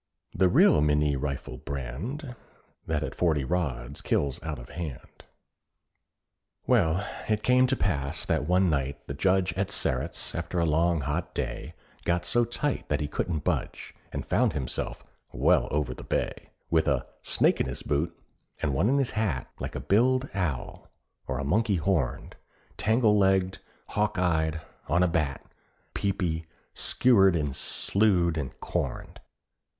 The real Minié rifle brand, That at forty rods kills out of hand. Well, it came to pass that one night the Judge At Sterret's, after a long, hot day, Got so tight that he couldn't budge, And found himself "well over the bay," With a "snake in his boot" and one in his hat, Like a biled owl, or a monkey horned, Tangle legged, hawk eyed, on a bat, Peepy, skewered, and slewed, and corned.